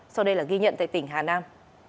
sau đây là ghi nhận tại tỉnh hà nam